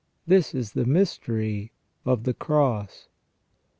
This is the mystery of the Cross.